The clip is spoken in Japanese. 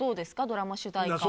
ドラマ主題歌。